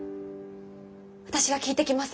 私が聞いてきます。